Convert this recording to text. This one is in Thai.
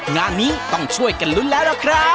งานนี้ต้องช่วยกันลุ้นแล้วล่ะครับ